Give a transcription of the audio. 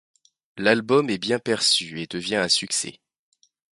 L'album est bien perçu et devient un succès.